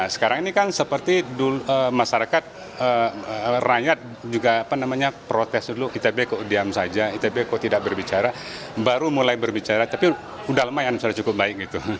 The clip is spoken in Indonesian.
sekarang ini kan seperti masyarakat rakyat juga protes dulu itb kok diam saja itb kok tidak berbicara baru mulai berbicara tapi sudah lumayan sudah cukup baik